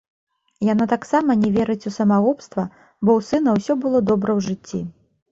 Яна таксама не верыць у самагубства, бо ў сына ўсё было добра ў жыцці.